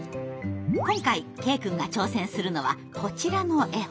今回ケイくんが挑戦するのはこちらの絵本。